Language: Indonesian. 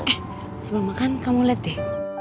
eh sebelum makan kamu liat deh